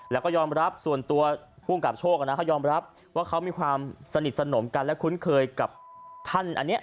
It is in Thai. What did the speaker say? แล้วก็ยอมรับส่วนตัวภูมิกับโชคเขายอมรับว่าเขามีความสนิทสนมกันและคุ้นเคยกับท่านอันนี้